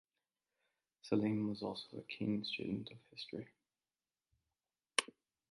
Salim was also a keen student of history.